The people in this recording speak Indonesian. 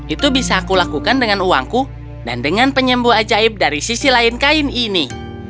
itu bisa aku lakukan dengan uangku dan dengan penyembuh ajaib dari sisi lain kain ini